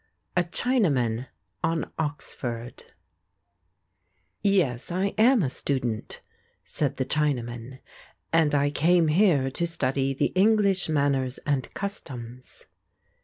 A CHINAMAN ON OXFORD "Yes, I am a student," said the Chinaman, "And I came here to study the English manners and customs."